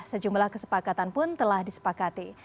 sejumlah kesepakatan pun telah disepakati